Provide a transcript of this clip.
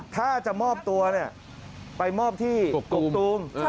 ถ้าจะมอบตัวเนี่ยไปมอบที่กกตูม